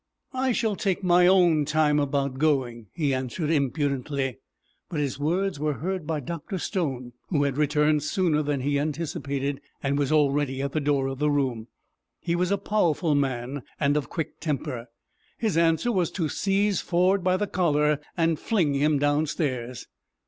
"I shall take my own time about going," he answered, impudently. But his words were heard by Dr. Stone, who had returned sooner than he anticipated, and was already at the door of the room. He was a powerful man, and of quick temper. His answer was to seize Ford by the collar and fling him downstairs.